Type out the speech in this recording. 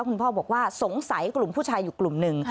คุณพ่อบอกว่าสงสัยกลุ่มผู้ชายอยู่กลุ่มหนึ่ง